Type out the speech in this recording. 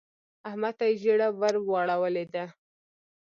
احمد ته يې ژیړه ور واړولې ده.